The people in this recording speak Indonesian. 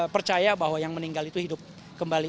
percaya bahwa yang meninggal itu hidup kembali